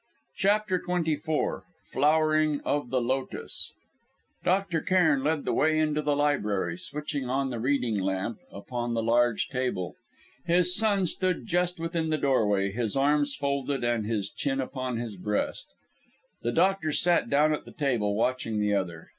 CHAPTER XXIV FLOWERING OF THE LOTUS Dr. Cairn led the way into the library, switching on the reading lamp upon the large table. His son stood just within the doorway, his arms folded and his chin upon his breast. The doctor sat down at the table, watching the other.